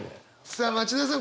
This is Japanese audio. さあ町田さん